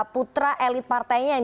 putra elit partainya yang